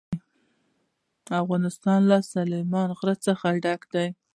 افغانستان له سلیمان غر څخه ډک دی.